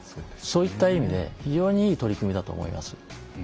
そういった意味で非常にいい取り組みだと思います。